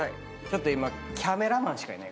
ちょっと今。